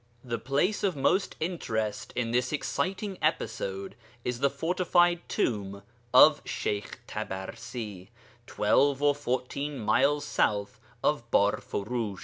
The place of most interest in this exciting episode is the fortified tomb of Sheykh Tabarsi, twelve or fourteen miles south of Barfurush.